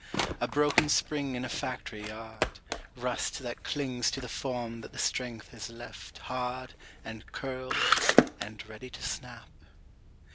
A broken spring in a factory yard, Rust that clings to the form that the strength has left Hard and curled and ready to snap.